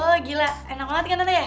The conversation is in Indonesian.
oh gila enak banget kan katanya ya